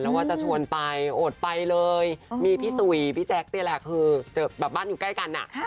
แล้วว่าจะชวนไปโอดไปเลยมีพี่สุยพี่แจ๊คนี่แหละคือแบบบ้านอยู่ใกล้กันอ่ะ